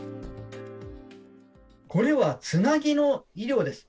これはつなぎの医療です。